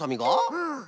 うん。